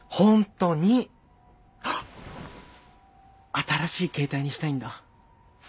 新しい携帯にしたいんだ。